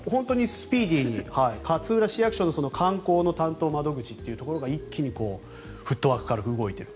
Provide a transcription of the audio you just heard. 勝浦市役所の観光の担当窓口というところが一気にフットワーク軽く動いている。